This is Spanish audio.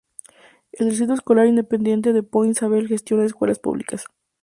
El Distrito Escolar Independiente de Point Isabel gestiona escuelas públicas.